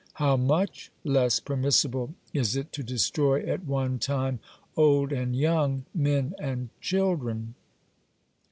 How much less permissible is it to destroy at one time old and young, men and children.